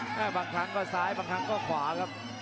แม่บางครั้งก็ซ้ายสมัยก็ขวาก